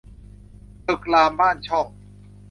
ตึกรามบ้านช่อง